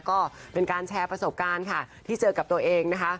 ก็เป็นการแชร์ประสบการณ์ค่ะที่เจอกับตัวเองนะคะ